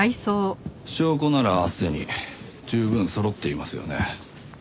証拠ならすでに十分そろっていますよね。